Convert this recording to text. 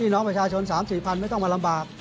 นกประชาชน๓๐๐๐๐ภาพไม่ต้องมาลำบาก